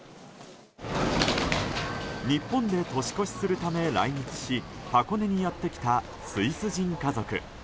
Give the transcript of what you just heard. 日本で年越しするため来日し箱根にやってきたスイス人家族。